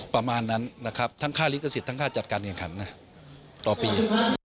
ประมาณนั้นนะครับทั้งค่าลิขสิทธิ์ทั้งค่าจัดการแข่งขันนะต่อปี